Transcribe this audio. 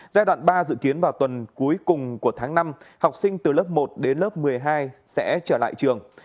giai đoạn ba dự kiến vào tuần cuối cùng của tháng năm học sinh từ lớp một đến lớp một mươi hai sẽ trở lại trường